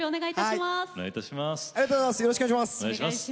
よろしくお願いします。